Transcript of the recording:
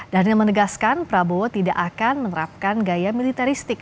dhanil menegaskan prabowo tidak akan menerapkan gaya militaristik